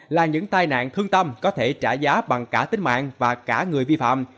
là những tai nạn thương tâm có thể trả giá bằng cả tính mạng và cả người vi phạm